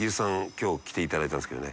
きょう来ていただいたんですけどね。